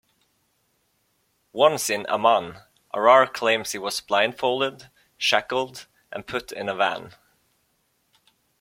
Once in Amman, Arar claims he was blindfolded, shackled and put in a van.